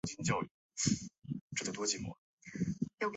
奥卢狄乌斯。